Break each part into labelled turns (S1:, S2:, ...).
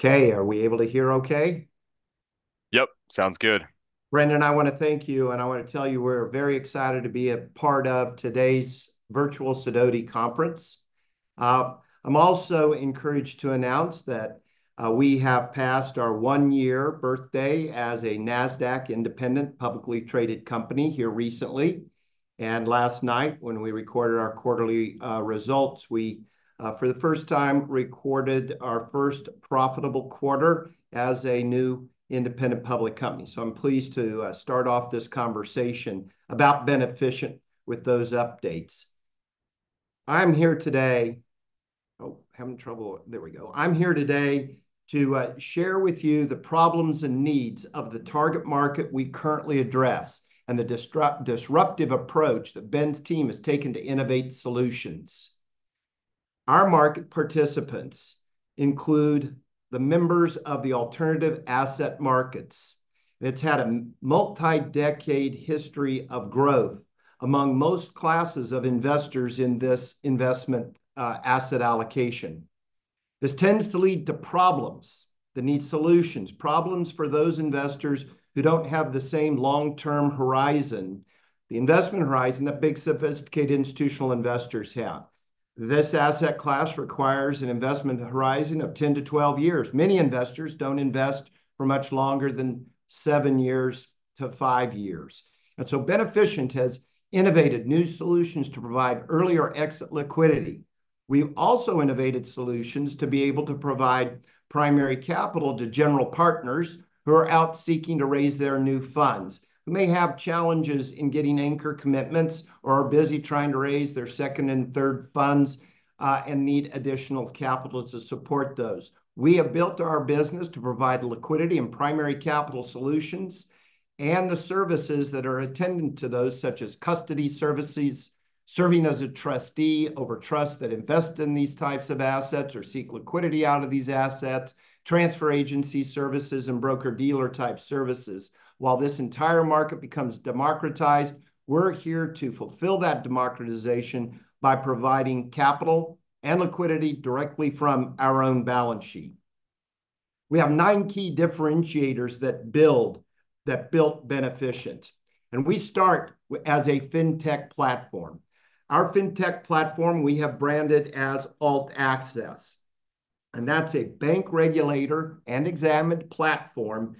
S1: Okay, are we able to hear okay?
S2: Yep, sounds good.
S1: Brendan, I wanna thank you, and I wanna tell you we're very excited to be a part of today's virtual Sidoti conference. I'm also encouraged to announce that, we have passed our one-year birthday as a NASDAQ independent publicly traded company here recently, and last night, when we recorded our quarterly, results, we, for the first time, recorded our first profitable quarter as a new independent public company. So I'm pleased to start off this conversation about Beneficient with those updates. I'm here today... Oh, having trouble. There we go. I'm here today to share with you the problems and needs of the target market we currently address, and the disruptive approach that Ben's team has taken to innovate solutions. Our market participants include the members of the alternative asset markets. It's had a multi-decade history of growth among most classes of investors in this investment, asset allocation. This tends to lead to problems that need solutions, problems for those investors who don't have the same long-term horizon, the investment horizon that big, sophisticated institutional investors have. This asset class requires an investment horizon of 10-12 years. Many investors don't invest for much longer than 7 years to 5 years, and so Beneficient has innovated new solutions to provide earlier exit liquidity. We've also innovated solutions to be able to provide primary capital to general partners who are out seeking to raise their new funds, who may have challenges in getting anchor commitments, or are busy trying to raise their second and third funds, and need additional capital to support those. We have built our business to provide liquidity and primary capital solutions, and the services that are attendant to those, such as custody services, serving as a trustee over trusts that invest in these types of assets or seek liquidity out of these assets, transfer agency services, and broker-dealer-type services. While this entire market becomes democratized, we're here to fulfill that democratization by providing capital and liquidity directly from our own balance sheet. We have nine key differentiators that built Beneficient, and we start as a fintech platform. Our fintech platform, we have branded as AltAccess, and that's a bank regulator and examined platform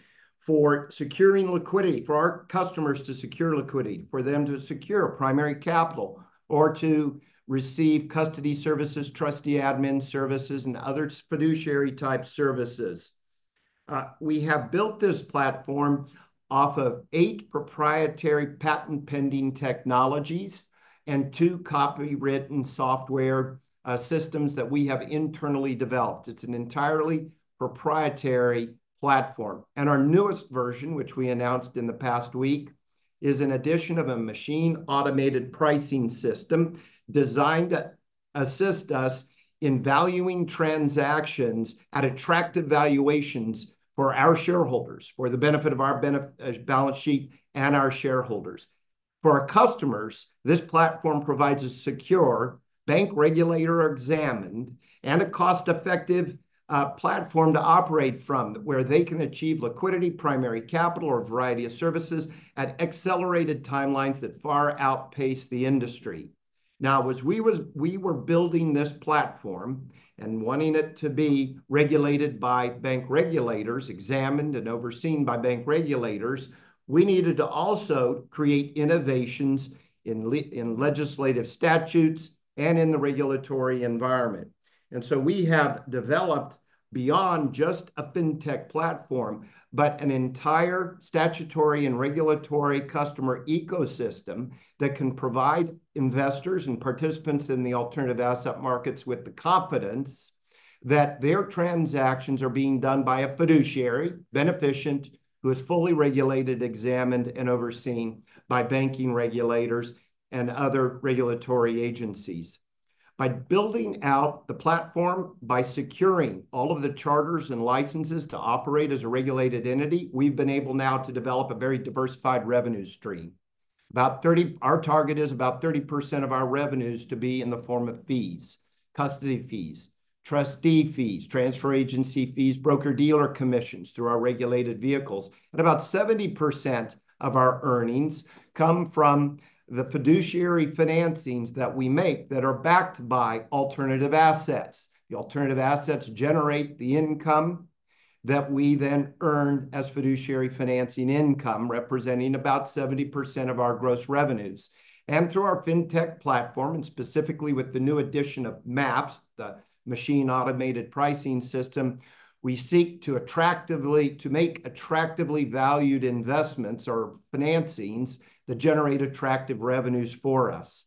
S1: for securing liquidity, for our customers to secure liquidity, for them to secure primary capital, or to receive custody services, trustee admin services, and other fiduciary-type services. We have built this platform off of eight proprietary patent-pending technologies and two copyrighted software systems that we have internally developed. It's an entirely proprietary platform, and our newest version, which we announced in the past week, is an addition of a Machine Automated Pricing System designed to assist us in valuing transactions at attractive valuations for our shareholders, for the benefit of our balance sheet and our shareholders. For our customers, this platform provides a secure, bank regulator-examined, and a cost-effective, platform to operate from, where they can achieve liquidity, primary capital, or a variety of services at accelerated timelines that far outpace the industry. Now, as we were building this platform and wanting it to be regulated by bank regulators, examined and overseen by bank regulators, we needed to also create innovations in legislative statutes and in the regulatory environment. And so we have developed beyond just a fintech platform, but an entire statutory and regulatory customer ecosystem that can provide investors and participants in the alternative asset markets with the confidence that their transactions are being done by a fiduciary, Beneficient, who is fully regulated, examined, and overseen by banking regulators and other regulatory agencies. By building out the platform, by securing all of the charters and licenses to operate as a regulated entity, we've been able now to develop a very diversified revenue stream. About 30%. Our target is about 30% of our revenues to be in the form of fees, custody fees, trustee fees, transfer agency fees, broker-dealer commissions through our regulated vehicles, and about 70% of our earnings come from the fiduciary financings that we make that are backed by alternative assets. The alternative assets generate the income that we then earn as fiduciary financing income, representing about 70% of our gross revenues. Through our fintech platform, and specifically with the new addition of MAPS, the Machine Automated Pricing System, we seek to attractively to make attractively valued investments or financings that generate attractive revenues for us.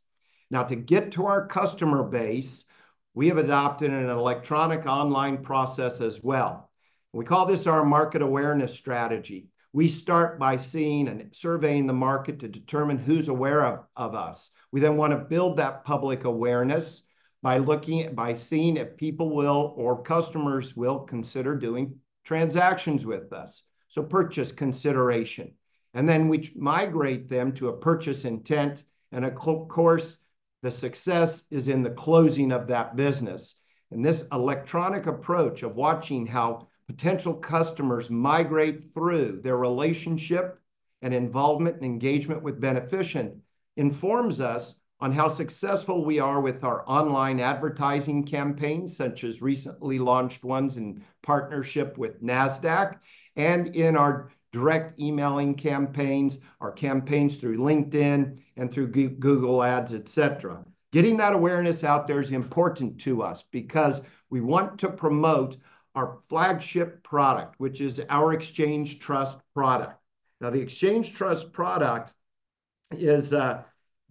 S1: Now, to get to our customer base, we have adopted an electronic online process as well. We call this our market awareness strategy. We start by seeing and surveying the market to determine who's aware of us. We then wanna build that public awareness by looking, by seeing if people will, or customers will, consider doing transactions with us, so purchase consideration... and then we migrate them to a purchase intent, and of course, the success is in the closing of that business. This electronic approach of watching how potential customers migrate through their relationship and involvement and engagement with Beneficient informs us on how successful we are with our online advertising campaigns, such as recently launched ones in partnership with NASDAQ, and in our direct emailing campaigns, our campaigns through LinkedIn, and through Google Ads, et cetera. Getting that awareness out there is important to us because we want to promote our flagship product, which is our ExChange Trust product. Now, the ExChange Trust product is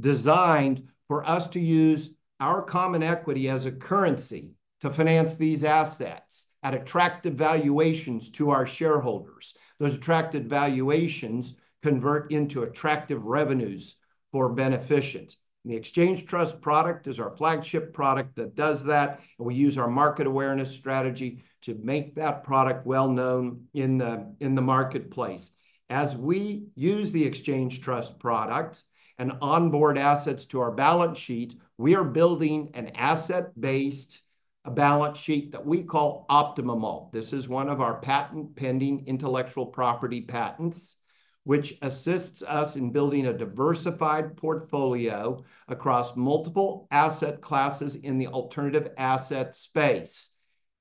S1: designed for us to use our common equity as a currency to finance these assets at attractive valuations to our shareholders. Those attractive valuations convert into attractive revenues for Beneficient, and the ExChange Trust product is our flagship product that does that, and we use our market awareness strategy to make that product well known in the marketplace. As we use the ExChange Trust product and onboard assets to our balance sheet, we are building an asset-based balance sheet that we call Optimum Alt. This is one of our patent-pending intellectual property patents, which assists us in building a diversified portfolio across multiple asset classes in the alternative asset space,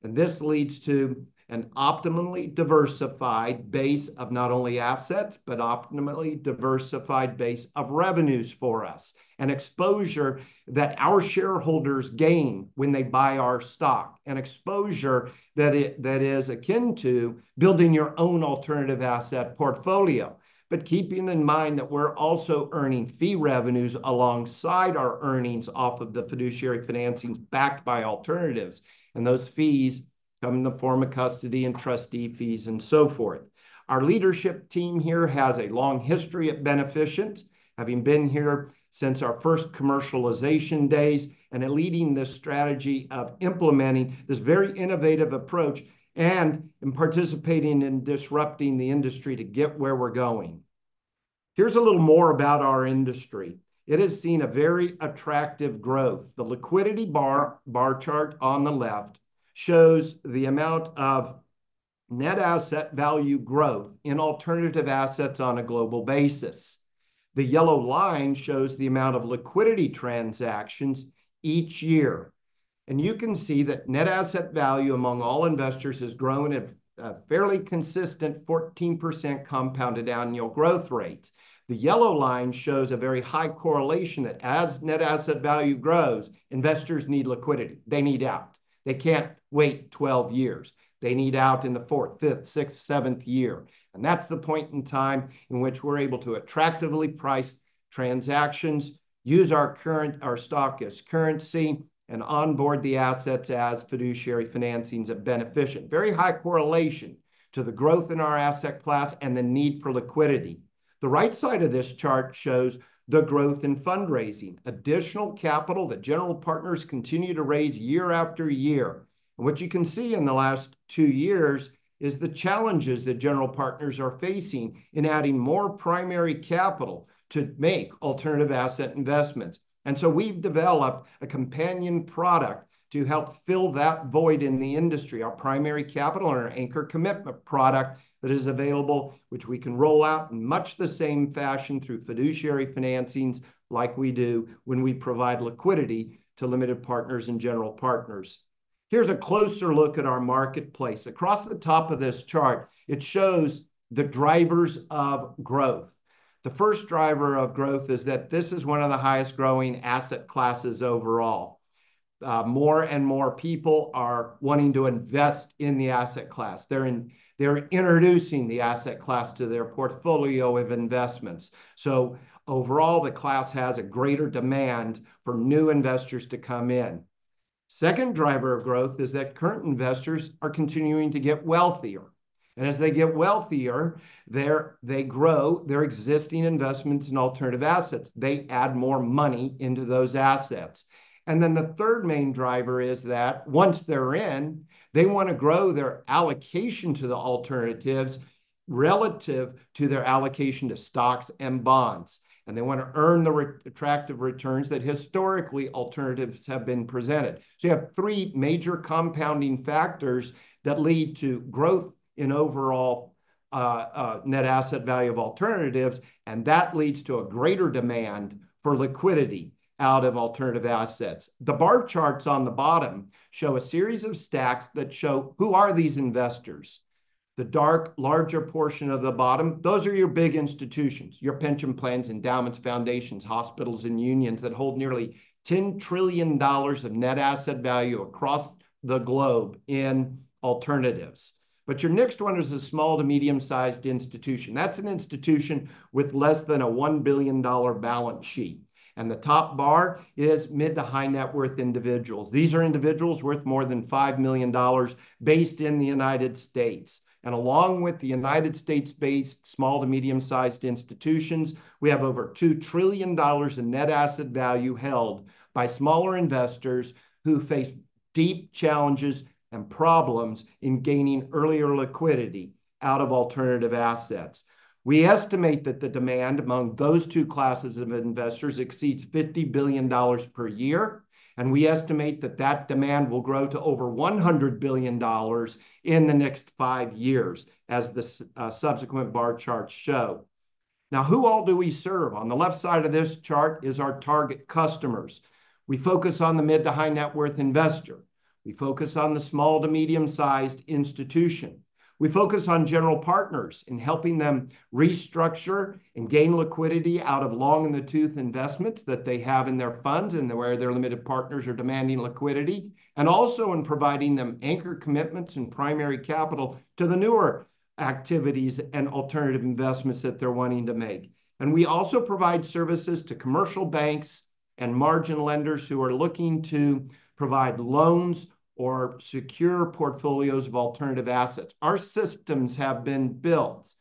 S1: and this leads to an optimally diversified base of not only assets, but optimally diversified base of revenues for us, and exposure that our shareholders gain when they buy our stock, and exposure that is akin to building your own alternative asset portfolio. But keeping in mind that we're also earning fee revenues alongside our earnings off of the fiduciary financings backed by alternatives, and those fees come in the form of custody and trustee fees, and so forth. Our leadership team here has a long history at Beneficient, having been here since our first commercialization days, and in leading this strategy of implementing this very innovative approach, and in participating in disrupting the industry to get where we're going. Here's a little more about our industry. It has seen a very attractive growth. The liquidity bar chart on the left shows the amount of net asset value growth in alternative assets on a global basis. The yellow line shows the amount of liquidity transactions each year, and you can see that net asset value among all investors has grown at a fairly consistent 14% compounded annual growth rate. The yellow line shows a very high correlation that as net asset value grows, investors need liquidity. They need out. They can't wait 12 years. They need out in the fourth, fifth, sixth, seventh year, and that's the point in time in which we're able to attractively price transactions, use our current stock as currency, and onboard the assets as fiduciary financings at Beneficient. Very high correlation to the growth in our asset class and the need for liquidity. The right side of this chart shows the growth in fundraising, additional capital that general partners continue to raise year after year. What you can see in the last two years is the challenges that general partners are facing in adding more primary capital to make alternative asset investments. And so we've developed a companion product to help fill that void in the industry, our primary capital and our anchor commitment product that is available, which we can roll out in much the same fashion through fiduciary financings like we do when we provide liquidity to limited partners and general partners. Here's a closer look at our marketplace. Across the top of this chart, it shows the drivers of growth. The first driver of growth is that this is one of the highest growing asset classes overall. More and more people are wanting to invest in the asset class. They're introducing the asset class to their portfolio of investments, so overall, the class has a greater demand for new investors to come in. Second driver of growth is that current investors are continuing to get wealthier, and as they get wealthier, they grow their existing investments in alternative assets. They add more money into those assets. Then the third main driver is that once they're in, they wanna grow their allocation to the alternatives relative to their allocation to stocks and bonds, and they wanna earn the attractive returns that historically alternatives have been presented. So you have three major compounding factors that lead to growth in overall net asset value of alternatives, and that leads to a greater demand for liquidity out of alternative assets. The bar charts on the bottom show a series of stacks that show, who are these investors? The dark, larger portion of the bottom, those are your big institutions, your pension plans, endowments, foundations, hospitals, and unions that hold nearly $10 trillion of net asset value across the globe in alternatives. But your next one is the small to medium-sized institution. That's an institution with less than a $1 billion balance sheet, and the top bar is mid-to-high net worth individuals. These are individuals worth more than $5 million based in the United States, and along with the United States-based small to medium-sized institutions, we have over $2 trillion in net asset value held by smaller investors who face deep challenges and problems in gaining earlier liquidity out of alternative assets. We estimate that the demand among those two classes of investors exceeds $50 billion per year, and we estimate that that demand will grow to over $100 billion in the next five years, as the subsequent bar charts show. Now, who all do we serve? On the left side of this chart is our target customers. We focus on the mid to high net worth investor. We focus on the small to medium-sized institution. We focus on general partners in helping them restructure and gain liquidity out of long in the tooth investments that they have in their funds, and where their limited partners are demanding liquidity, and also in providing them anchor commitments and primary capital to the newer activities and alternative investments that they're wanting to make. We also provide services to commercial banks and margin lenders who are looking to provide loans or secure portfolios of alternative assets. Our systems have been built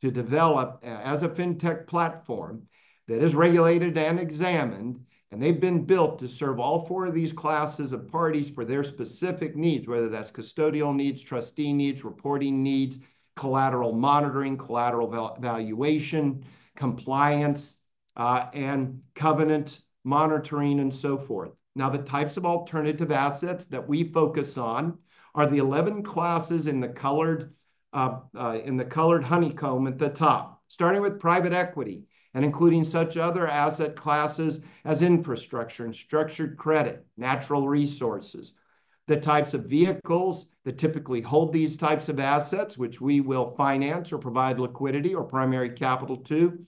S1: to develop, as a fintech platform that is regulated and examined, and they've been built to serve all four of these classes of parties for their specific needs, whether that's custodial needs, trustee needs, reporting needs, collateral monitoring, collateral valuation, compliance, and covenant monitoring, and so forth. Now, the types of alternative assets that we focus on are the 11 classes in the colored honeycomb at the top, starting with private equity, and including such other asset classes as infrastructure and structured credit, natural resources. The types of vehicles that typically hold these types of assets, which we will finance or provide liquidity or primary capital to,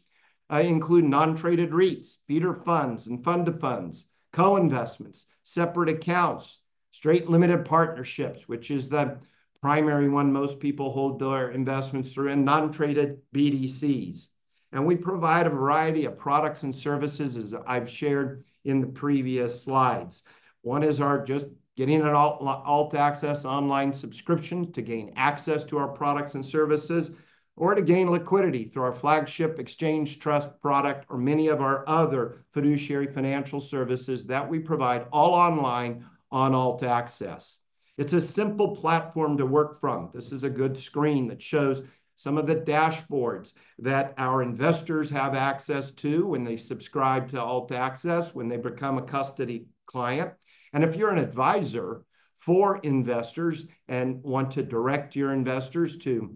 S1: include non-traded REITs, feeder funds and fund-of-funds, co-investments, separate accounts, straight limited partnerships, which is the primary one most people hold their investments through, and non-traded BDCs. We provide a variety of products and services, as I've shared in the previous slides. One is our just getting an AltAccess online subscription to gain access to our products and services, or to gain liquidity through our flagship ExChange Trust product, or many of our other fiduciary financial services that we provide all online on AltAccess. It's a simple platform to work from. This is a good screen that shows some of the dashboards that our investors have access to when they subscribe to AltAccess, when they become a custody client. And if you're an advisor for investors and want to direct your investors to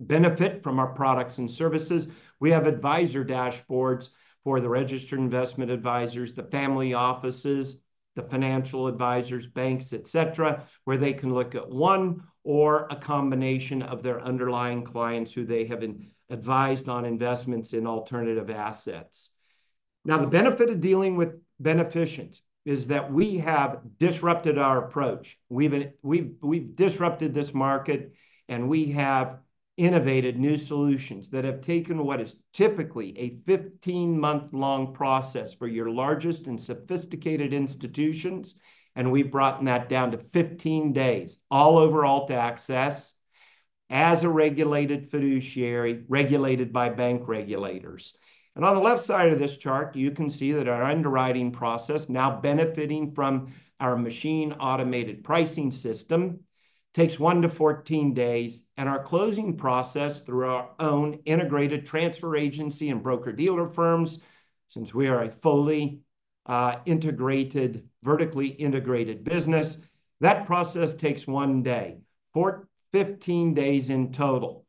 S1: benefit from our products and services, we have advisor dashboards for the registered investment advisors, the family offices, the financial advisors, banks, et cetera, where they can look at one or a combination of their underlying clients who they have been advised on investments in alternative assets. Now, the benefit of dealing with Beneficient is that we have disrupted our approach. We've disrupted this market, and we have innovated new solutions that have taken what is typically a 15-month-long process for your largest and sophisticated institutions, and we've brought that down to 15 days, all over AltAccess, as a regulated fiduciary, regulated by bank regulators. On the left side of this chart, you can see that our underwriting process, now benefiting from our machine-automated pricing system, takes one to 14 days, and our closing process, through our own integrated transfer agency and broker-dealer firms, since we are a fully integrated, vertically integrated business, that process takes one day, 15 days in total.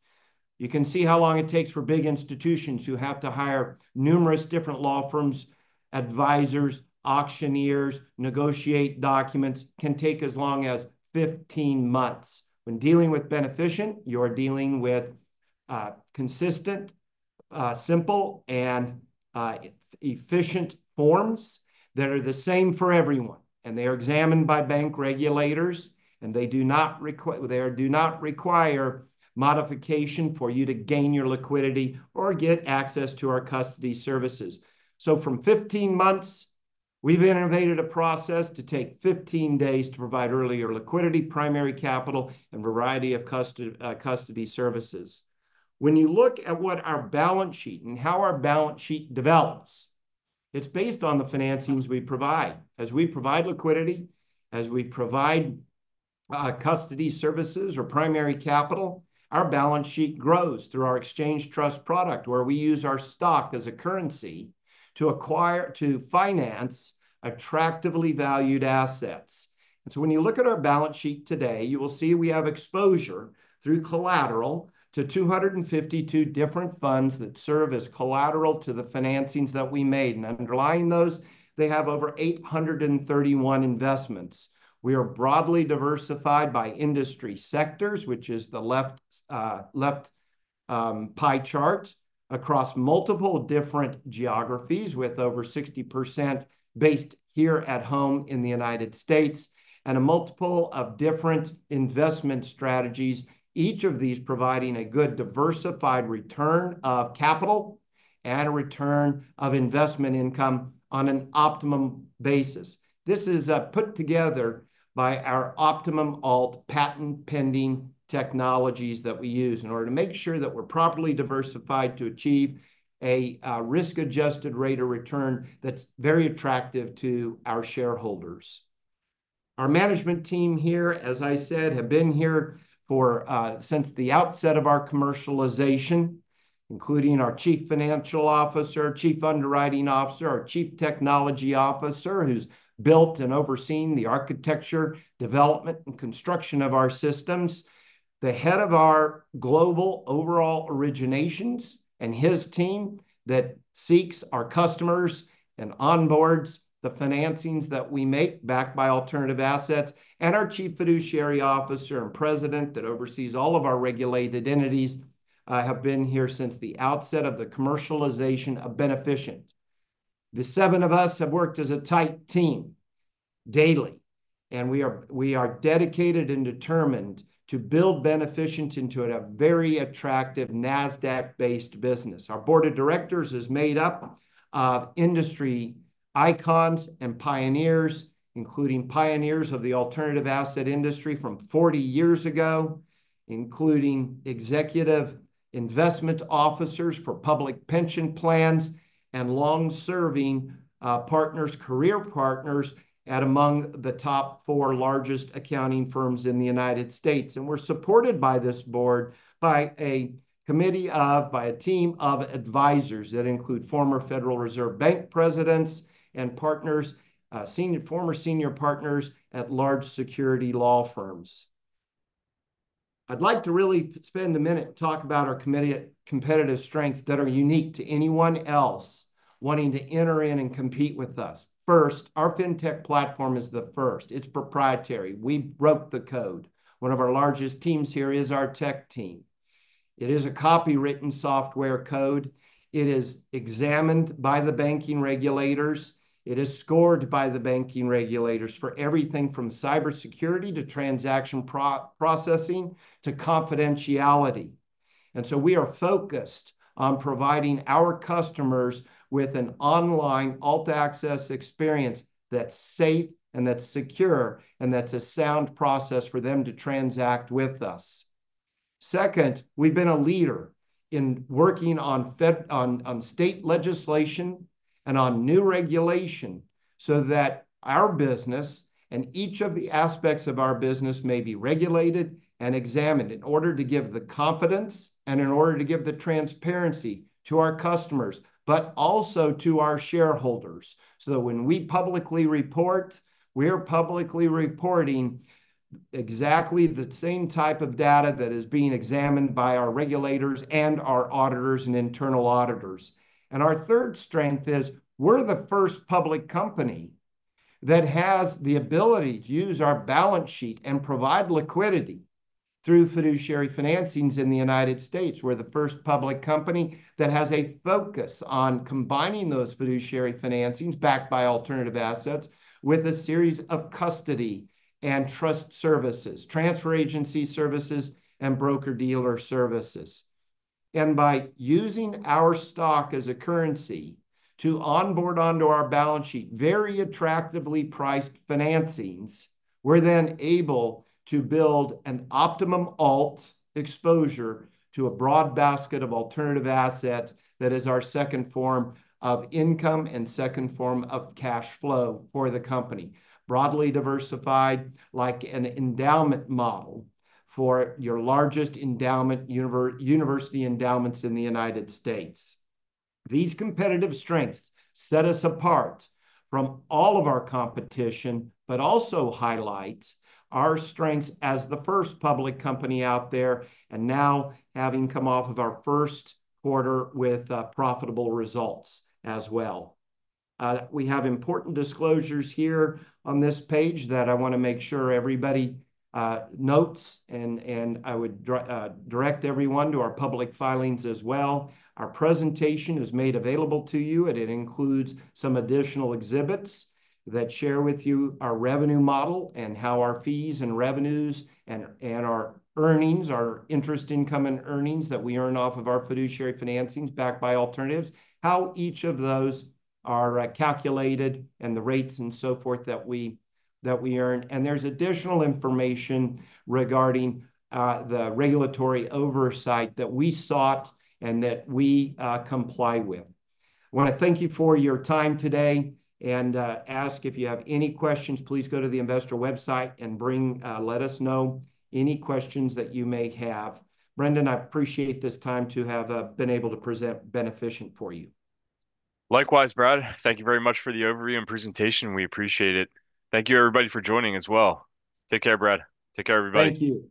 S1: You can see how long it takes for big institutions who have to hire numerous different law firms, advisors, auctioneers, negotiate documents, can take as long as 15 months. When dealing with Beneficient, you're dealing with consistent, simple, and efficient forms that are the same for everyone, and they are examined by bank regulators, and they do not require modification for you to gain your liquidity or get access to our custody services. So from 15 months, we've innovated a process to take 15 days to provide earlier liquidity, primary capital, and variety of custody services. When you look at what our balance sheet and how our balance sheet develops, it's based on the financings we provide. As we provide liquidity, as we provide custody services or primary capital, our balance sheet grows through our ExChange Trust product, where we use our stock as a currency to finance attractively valued assets. When you look at our balance sheet today, you will see we have exposure through collateral to 252 different funds that serve as collateral to the financings that we made. Underlying those, they have over 831 investments. We are broadly diversified by industry sectors, which is the left pie chart, across multiple different geographies, with over 60% based here at home in the United States, and a multiple of different investment strategies, each of these providing a good diversified return of capital and a return of investment income on an optimum basis. This is put together by our Optimum Alt patent-pending technologies that we use in order to make sure that we're properly diversified to achieve a risk-adjusted rate of return that's very attractive to our shareholders. Our management team here, as I said, have been here for since the outset of our commercialization, including our Chief Financial Officer, Chief Underwriting Officer, our Chief Technology Officer, who's built and overseen the architecture, development, and construction of our systems. The head of our global overall originations, and his team, that seeks our customers and onboards the financings that we make backed by alternative assets, and our Chief Fiduciary Officer and President that oversees all of our regulated entities, have been here since the outset of the commercialization of Beneficient. The seven of us have worked as a tight team daily, and we are, we are dedicated and determined to build Beneficient into a very attractive NASDAQ-based business. Our Board of Directors is made up of industry icons and pioneers, including pioneers of the alternative asset industry from 40 years ago, including executive investment officers for public pension plans and long-serving career partners among the top 4 largest accounting firms in the United States. We're supported by this board by a team of advisors that include former Federal Reserve Bank presidents and former senior partners at large securities law firms. I'd like to really spend a minute and talk about our competitive strengths that are unique to anyone else wanting to enter in and compete with us. First, our fintech platform is the first. It's proprietary. We broke the code. One of our largest teams here is our tech team. It is a copyrighted software code. It is examined by the banking regulators. It is scored by the banking regulators for everything from cybersecurity to transaction processing, to confidentiality. So we are focused on providing our customers with an online AltAccess experience that's safe, and that's secure, and that's a sound process for them to transact with us. Second, we've been a leader in working on state legislation and on new regulation so that our business, and each of the aspects of our business, may be regulated and examined in order to give the confidence and in order to give the transparency to our customers, but also to our shareholders, so that when we publicly report, we're publicly reporting exactly the same type of data that is being examined by our regulators and our auditors and internal auditors. And our third strength is, we're the first public company that has the ability to use our balance sheet and provide liquidity through fiduciary financings in the United States. We're the first public company that has a focus on combining those fiduciary financings, backed by alternative assets, with a series of custody and trust services, transfer agency services, and broker-dealer services. And by using our stock as a currency to onboard onto our balance sheet very attractively priced financings, we're then able to build an optimum alt exposure to a broad basket of alternative assets that is our second form of income and second form of cash flow for the company. Broadly diversified, like an endowment model for your largest endowment university endowments in the United States. These competitive strengths set us apart from all of our competition, but also highlight our strengths as the first public company out there, and now having come off of our first quarter with profitable results as well. We have important disclosures here on this page that I wanna make sure everybody notes, and I would direct everyone to our public filings as well. Our presentation is made available to you, and it includes some additional exhibits that share with you our revenue model and how our fees and revenues, and our earnings, our interest income and earnings that we earn off of our fiduciary financings backed by alternatives, how each of those are calculated, and the rates and so forth that we earn. There's additional information regarding the regulatory oversight that we sought and that we comply with. I wanna thank you for your time today, and ask if you have any questions, please go to the investor website and let us know any questions that you may have. Brendan, I appreciate this time to have been able to present Beneficient for you.
S2: Likewise, Brad. Thank you very much for the overview and presentation. We appreciate it. Thank you, everybody, for joining as well. Take care, Brad. Take care, everybody.
S1: Thank you.